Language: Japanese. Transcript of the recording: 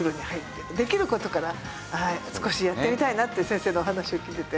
できる事から少しやってみたいなって先生のお話を聞いてて。